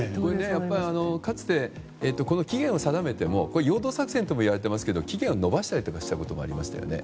かつて、期限を定めてもこれは陽動作戦ともいわれていますが期限を延ばしたりしたこともありましたよね。